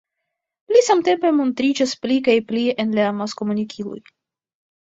Li samtempe montriĝas pli kaj pli en la amaskomunikiloj.